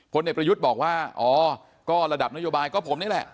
เด็กประยุทธ์บอกว่าอ๋อก็ระดับนโยบายก็ผมนี่แหละ